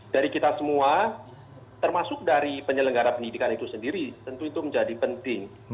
dari kita semua termasuk dari penyelenggara pendidikan itu sendiri tentu itu menjadi penting